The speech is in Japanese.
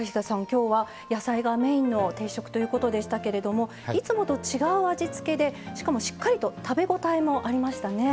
今日は野菜がメインの定食ということでしたけれどもいつもと違う味付けでしかもしっかりと食べ応えもありましたね。